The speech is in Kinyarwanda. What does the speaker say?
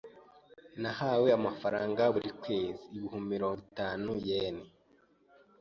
Nahawe amafaranga buri kwezi y ibihumbi mirongo itanu yen.